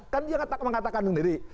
kan dia mengatakan sendiri